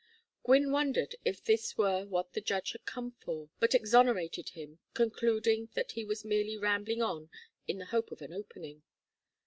Gwynne wondered if this were what the judge had come for, but exonerated him, concluding that he was merely rambling on in the hope of an opening.